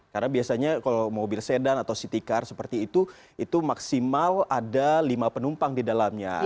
karena biasanya kalau mobil sedan atau city car seperti itu itu maksimal ada lima penumpang di dalamnya